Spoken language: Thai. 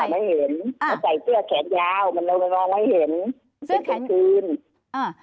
ไม่เห็นเขาใส่เสื้อแขนยาวมันมันมองไม่เห็นเสื้อแขนคืนอ่า